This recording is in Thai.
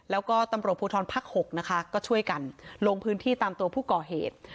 แล้วก็ตำรวจภูทรภักดิ์๖นะคะก็ช่วยกันลงพื้นที่ตามตัวผู้ก่อเหตุ